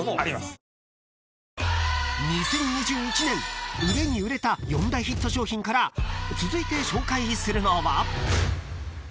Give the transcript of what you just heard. ［２０２１年売れに売れた４大ヒット商品から続いて紹介するのは］